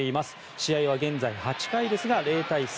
試合は現在８回ですが０対３。